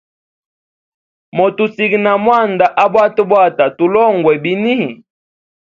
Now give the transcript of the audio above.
Motusiga na mwanda abwatabwata, tulongwe bini?